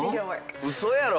ウソやろ！？